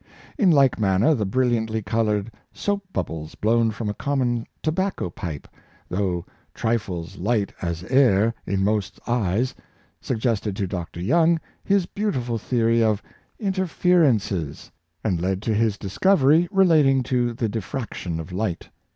In Hke manner, the brilliantly colored soap bubbles blown from a common tobacco pipe — though "trifles hght as air " in most eyes — suggested to Dr. Young his beautiflil theory of " in terferences," and led to his discovery relating to the diffraction of light.